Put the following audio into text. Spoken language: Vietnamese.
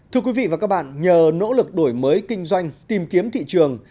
thưa quý vị và các bạn nhờ nỗ lực đổi mới kinh doanh tìm kiếm thị trường